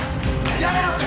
やめろって！